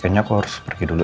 kayaknya aku harus pergi dulu